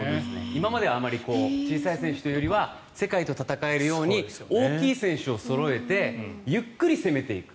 今までは小さい選手というよりは世界と戦えるように大きい選手をそろえてゆっくり攻めていく。